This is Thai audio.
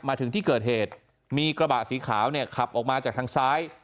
มาถึงที่เกิดเหตุมีกระบะสีขาวเนี่ยขับออกมาจากทางซ้าย